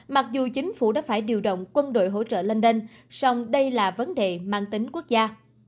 mặc dù chính phủ đã phải điều động quân đội hỗ trợ lên đênh song đây là vấn đề mang tính quốc gia